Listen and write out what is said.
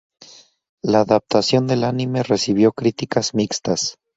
La adaptación al anime recibió críticas mixtas.